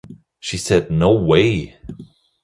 She said No way!